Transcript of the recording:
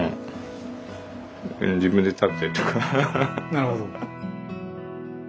なるほど。